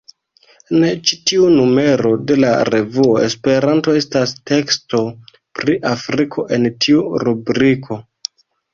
En ĉiu numero de la revuo Esperanto estas teksto pri Afriko en tiu rubriko.